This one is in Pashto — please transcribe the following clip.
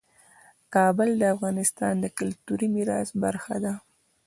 کابل د افغانستان د کلتوري میراث برخه ده.